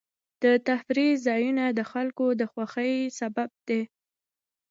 د تفریح ځایونه د خلکو د خوښۍ سبب دي.